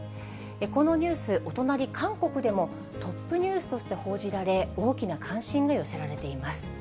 このニュース、お隣、韓国でもトップニュースとして報じられ、大きな関心が寄せられています。